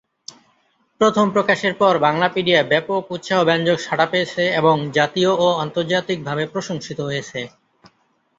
প্রথম প্রকাশের পর বাংলাপিডিয়া ব্যাপক উৎসাহব্যঞ্জক সাড়া পেয়েছে এবং জাতীয় ও আন্তর্জাতিকভাবে প্রশংসিত হয়েছে।